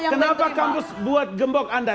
kenapa kampus buat gembok anda